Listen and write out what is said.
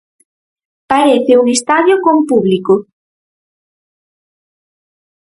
Parece un estadio con público.